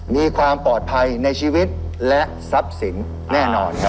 มีความปลอดภัยในชีวิตและทรัพย์สินแน่นอนครับ